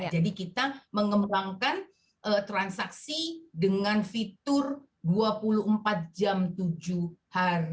jadi kita mengembangkan transaksi dengan fitur dua puluh empat jam tiga